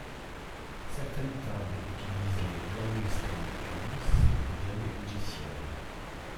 Certaines tables utilisent les Rory's Story Cubes ou bien des logiciels.